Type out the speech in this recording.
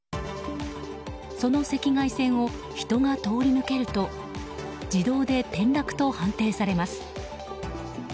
その赤外線を人が通り抜けると自動で転落と判定されます。